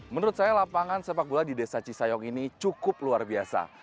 menurut saya lapangan sepak bola di desa cisayong ini cukup luar biasa